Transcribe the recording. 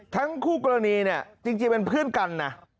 ทั้งคู่กรณีเนี่ยจริงเป็นเพื่อนกันนะ